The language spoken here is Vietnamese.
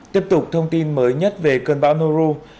tiếp tục thông tin mới nhất về cơn bão hou